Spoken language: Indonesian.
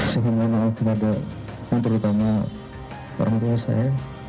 saya memohon maaf kepada yang terutama perempuan saya